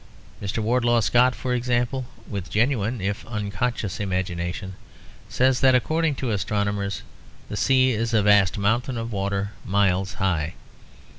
Mr. Wardlaw Scott, for example, with genuine, if unconscious, imagination, says that according to astronomers, 'the sea is a vast mountain of water miles high.'